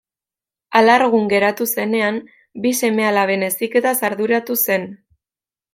Alargun geratu zenean, bi seme-alaben heziketaz arduratu zen.